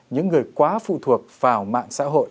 những người quá phụ thuộc vào mạng xã hội